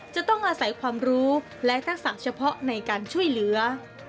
จะต้องอาศัยความรู้และทักษะเฉพาะในการช่วยเหลือ